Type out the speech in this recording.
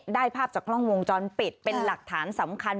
ภาพจากกล้องวงจรปิดเป็นหลักฐานสำคัญ